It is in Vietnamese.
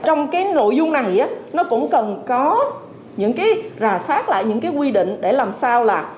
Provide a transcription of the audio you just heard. trong cái nội dung này nó cũng cần có những cái rà soát lại những cái quy định để làm sao là